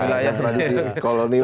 iya tradisi kolonial